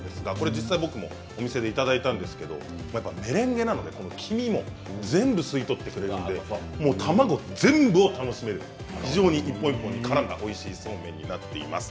実際、僕も見せていただいたんですがメレンゲなので黄身を全部吸い取ってくれるので卵を全部を楽しめる、非常に一本一本にからんだおいしいそうめんになっています。